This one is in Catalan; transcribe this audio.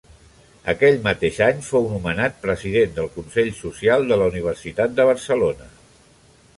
Aquell mateix any fou nomenat president del Consell Social de la Universitat de Barcelona.